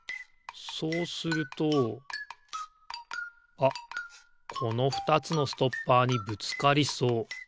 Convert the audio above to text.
そうするとあっこの２つのストッパーにぶつかりそう。